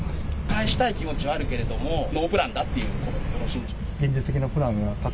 返したい気持ちはあるけれども、ノープランだということでよろしいんでしょうか？